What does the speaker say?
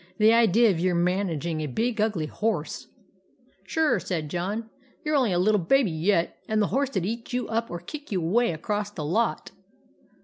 The idea of your man aging a big ugly horse ! M " Sure," said John, " you 're only a little baby yet, and the horse 'd eat you up or kick you way across the lot."